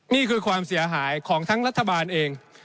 นี่คือความเสียหายของทั้งรัฐบาลเอง